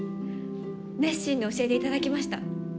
熱心に教えていただきました。